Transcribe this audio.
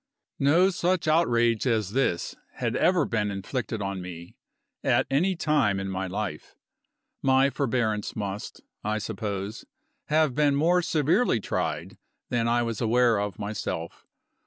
No such outrage as this had ever been inflicted on me, at any time in my life. My forbearance must, I suppose, have been more severely tried than I was aware of myself.